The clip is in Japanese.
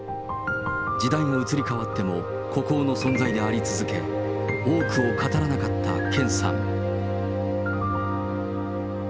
時代が移り変わっても、孤高の存在であり続け、多くを語らなかった健さん。